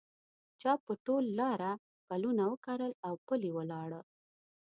چا په ټول لاره پلونه وکرل اوپلي ولاړه